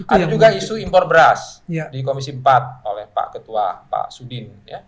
ada juga isu impor beras di komisi empat oleh pak ketua pak sudin